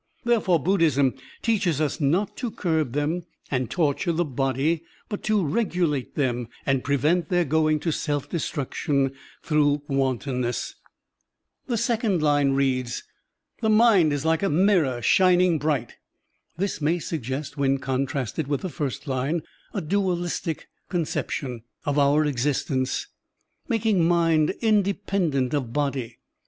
Therefore, Buddhism teaches us not to curb them and torture the body, but to regulate them and prevent their going to self destruction through wantonness. The second line reads, "The mind is like a mirror shining bright." This may suggest, when contrasted with the first line, a dualistic con Digitized by Google 96 SERMONS OF A BUDDHIST ABBOT ception of otir existence, making mind inde pendent of body.